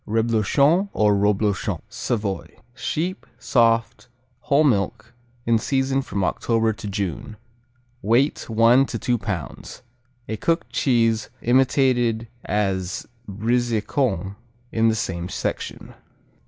Reblochon or Roblochon Savoy Sheep; soft; whole milk; in season from October to June. Weight one to two pounds. A cooked cheese imitated as Brizecon in the same section.